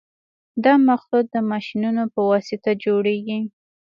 دا مخلوط د ماشینونو په واسطه جوړیږي